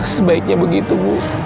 sebaiknya begitu bu